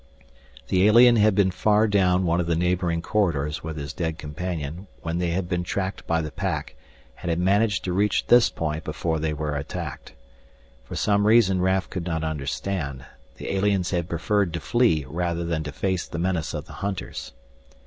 The alien had been far down one of the neighboring corridors with his dead companion when they had been tracked by the pack and had managed to reach this point before they were attacked. For some reason Raf could not understand, the aliens had preferred to flee rather than to face the menace of the hunters.